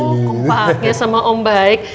kupangnya sama om baik